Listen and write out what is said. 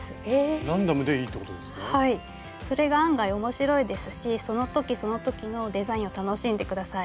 それが案外面白いですしその時その時のデザインを楽しんで下さい。